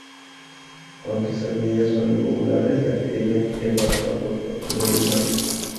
Aunque estas medidas son impopulares, la epidemia estaba bajo control en mayo.